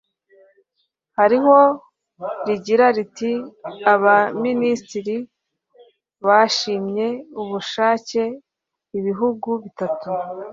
hari aho rigira riti abaminisitiri bashimye ubushake ibihugu bitatu